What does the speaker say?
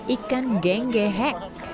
ikan genggeng hek